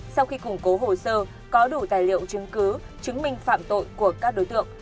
sau khi củng cố hồ sơ có đủ tài liệu chứng cứ chứng minh phạm tội của các đối tượng